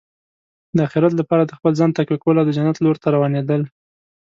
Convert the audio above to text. د اخرت لپاره د خپل ځان تقویه کول او د جنت لور ته روانېدل.